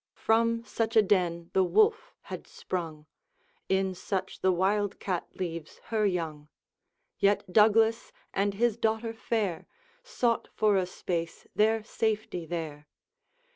From such a den the wolf had sprung, In such the wild cat leaves her young; Yet Douglas and his daughter fair Sought for a space their safety there.